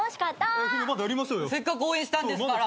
せっかく応援したんですから。